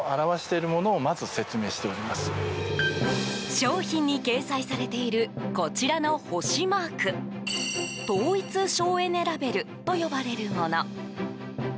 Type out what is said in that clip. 商品に掲載されているこちらの星マーク統一省エネラベルと呼ばれるもの。